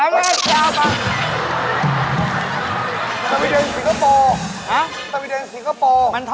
เยอรมัน